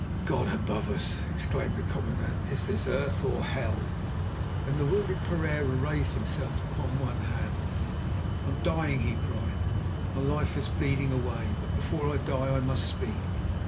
"God above us!" exclaimed the commandant, "is this earth or hell?" Then the wounded Pereira raised himself upon one hand. "I am dying," he cried; "my life is bleeding away, but before I die I must speak.